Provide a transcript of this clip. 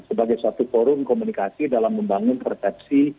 sebagai suatu forum komunikasi dalam membangun persepsi